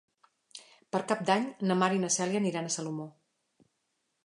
Per Cap d'Any na Mar i na Cèlia aniran a Salomó.